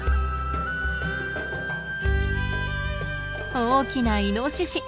大きなイノシシ。